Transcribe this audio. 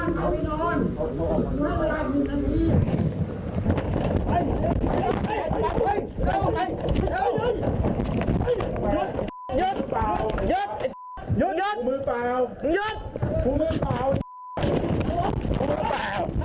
ดูมือเปล่า